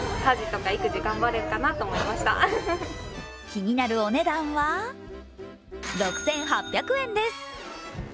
気になるお値段は６８００円です。